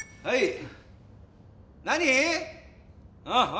はい！